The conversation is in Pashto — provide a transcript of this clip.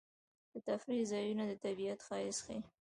د تفریح ځایونه د طبیعت ښایست ښيي.